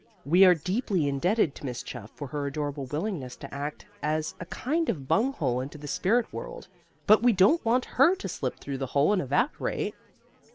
We are deeply indebted to Miss Chuff for her adorable willingness to act as a kind of bunghole into the spirit world, but we don't want her to slip through the hole and evaporate."